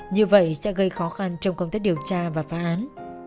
như vậy sẽ gây khó khăn trong công tác điều tra và phá án